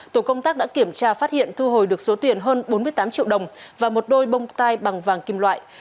tổ công tác đã kiểm tra phát hiện thu hồi được số tiền hơn bốn mươi tám triệu đồng và một đôi bông tai bằng vàng kim loại